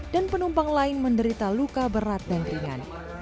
dan penumpang lain menderita luka berat dan ringan